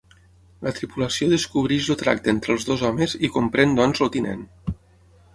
La tripulació descobreix el tracte entre els dos homes i comprèn doncs el tinent.